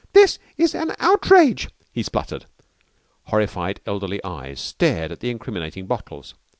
"This is an outrage," he spluttered. Horrified elderly eyes stared at the incriminating bottles.